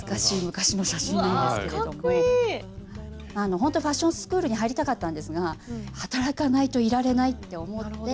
ほんとはファッションスクールに入りたかったんですが働かないといられないって思って。